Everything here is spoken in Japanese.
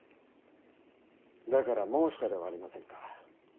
だから申したではありませんか。